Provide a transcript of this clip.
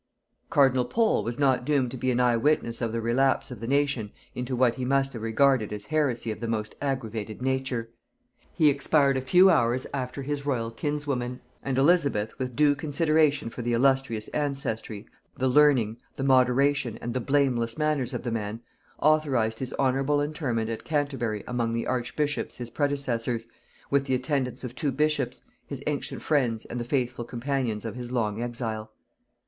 "] Cardinal Pole was not doomed to be an eye witness of the relapse of the nation into what he must have regarded as heresy of the most aggravated nature; he expired a few hours after his royal kinswoman: and Elizabeth, with due consideration for the illustrious ancestry, the learning, the moderation, and the blameless manners of the man, authorized his honorable interment at Canterbury among the archbishops his predecessors, with the attendance of two bishops, his ancient friends and the faithful companions of his long exile.